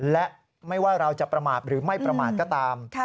และไม่ว่าเราจะประมาทหรือไม่ประมาทก็ตาม